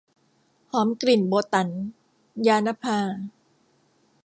หอมกลิ่นโบตั๋น - ญาณภา